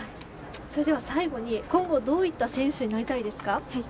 最後に今後どういった選手になりたいですか？